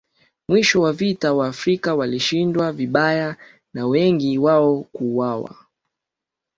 Mwisho wa vita Waafrika walishindwa vibaya na wengi wao kuuawa